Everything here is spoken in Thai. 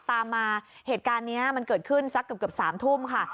ตามมาเหตุการณ์นี้มันเกิดขึ้นสักเกือบ๓ทุ่มค่ะ